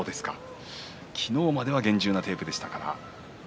昨日までは厳重なテープでした。